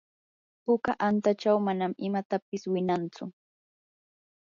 puka antachaw manan imapis winantsu.